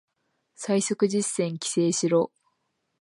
最速実践規制しろ